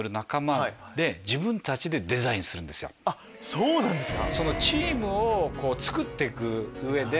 そうなんですか！